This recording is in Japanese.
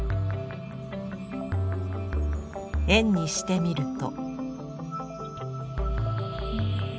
円にしてみると？